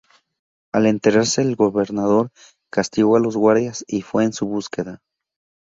Al enterarse el gobernador, castigó a los guardias y fue en su búsqueda.